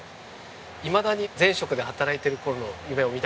いまだに前職で働いてる頃の夢を見たりするんですが。